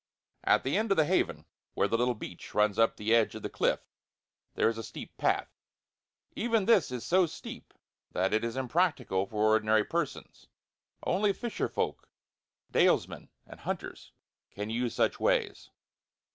At the end of the Haven, where the little beach runs up to the edge of the cliff, there is a steep path. Even this is so steep that it is impracticable to ordinary persons; only fisher folk, dalesmen and hunters can use such ways.